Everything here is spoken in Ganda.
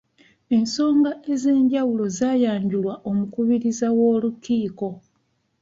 Ensonga ez'enjawulo zaayanjulwa omukubiriza w'olukiiko.